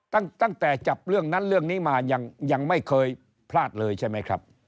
ตั้งแต่จับเรื่องนั้นเรื่องนี้มายังไม่เคยพลาดเลยใช่ไหมครับ